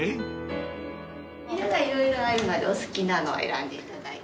色が色々あるのでお好きなのを選んでいただいて。